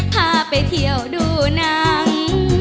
พาไปเที่ยวดูหนัง